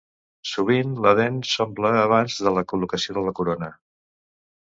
Sovint la dent s'omple abans de la col·locació de la corona.